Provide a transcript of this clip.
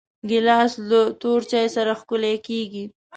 ګیلاس له تور چای سره ښکلی کېږي.